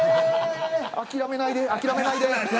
諦めないで、諦めないで。